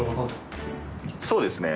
そうですね。